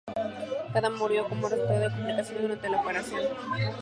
Cando murió como resultado de complicaciones durante la operación.